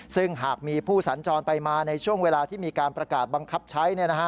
ซึ่งหากมีผู้สัญจรไปมาในช่วงเวลาที่มีการประกาศบังคับใช้